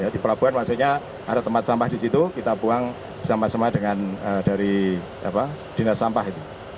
di pelabuhan maksudnya ada tempat sampah di situ kita buang bersama sama dengan dari dinas sampah itu